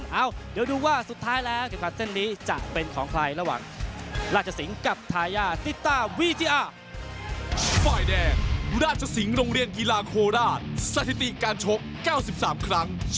เอ้าเดี๋ยวดูว่าสุดท้ายแล้วกับความเส้นนี้จะเป็นของใครระหว่างราชสิงศ์กับทายาติตตาวิทยา